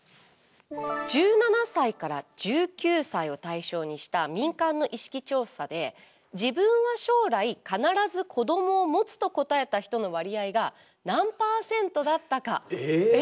１７歳から１９歳を対象にした民間の意識調査で自分は将来必ず子どもを持つと答えた人の割合が何パーセントだったか。